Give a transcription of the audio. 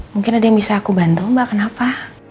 mungkin ada yang bisa aku bantu mbak kenapa